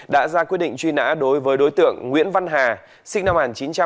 đã ra quyết định truy nã đối với đối tượng nguyễn văn hà sinh năm một nghìn chín trăm tám mươi